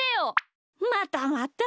またまた。